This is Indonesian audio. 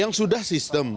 yang sudah sistem